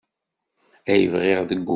Ay bɣiɣ deg wurar-a.